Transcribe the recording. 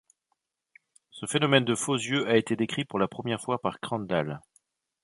Ce phénomène des faux yeux a été décrit pour la première fois par Crandall.